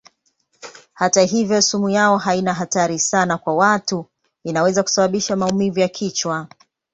Hata hivyo sumu yao haina hatari sana kwa watu; inaweza kusababisha maumivu ya kichwa.